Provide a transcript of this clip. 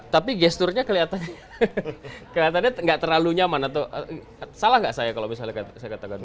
tapi gesturnya kelihatannya gak terlalu nyaman atau salah gak saya kalau misalnya saya kata gantung